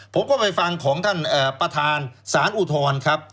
ผมก็ไปฟังของท่านประธานสารอุทธรณ์ครับ